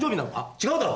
違うだろ？